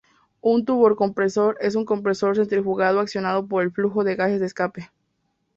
Un turbocompresor es un compresor centrífugo accionado por el flujo de gases de escape.